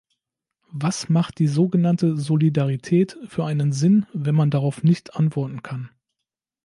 Was macht die sogenannte Solidarität für einen Sinn, wenn man darauf nicht antworten kann?